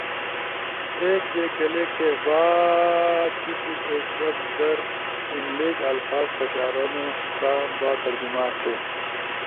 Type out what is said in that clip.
ایک جے کلک تھے باں تیسی ایک بکس در انلگش الفاظ پشارونو سا با ترجمہ تھے۔